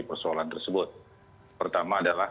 persoalan tersebut pertama adalah